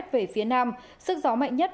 về phía nam sức gió mạnh nhất